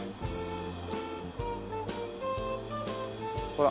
ほら。